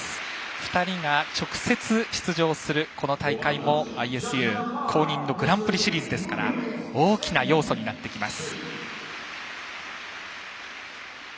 ２人が直接、出場するこの大会もＩＳＵ公認のグランプリシリーズですから大きな要素になってきます。